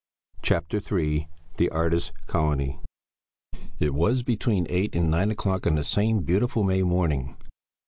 CHAPTER III THE ARTISTS' COLONY It was between eight and nine o'clock on the same beautiful May morning.